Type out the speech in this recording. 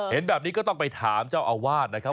เห็นแบบนี้ก็ต้องไปถามเจ้าอาวาสนะครับ